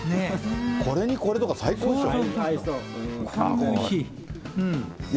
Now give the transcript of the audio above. これにこれとか、最高でしょ。